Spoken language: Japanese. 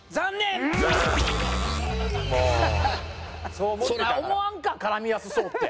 そりゃ思わんか絡みやすそうって。